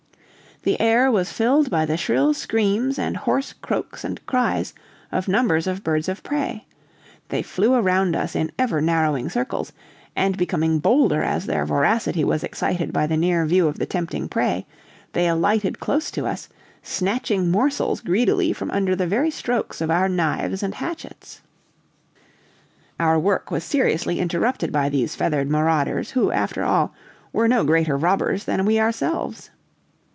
The air was filled by the shrill screams and hoarse croaks and cries of numbers of birds of prey, they flew around us in ever narrowing circles, and becoming bolder as their voracity was excited by the near view of the tempting prey, they alighted close to us, snatching morsels greedily from under the very strokes of our knives and hatchets. Our work was seriously interrupted by these feathered marauders, who, after all, were no greater robbers than we ourselves.